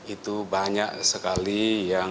itu banyak sekali yang